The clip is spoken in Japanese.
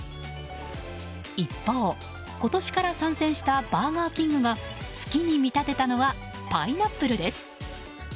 一方、今年から参戦したバーガーキングが月に見立てたのはパイナップルです。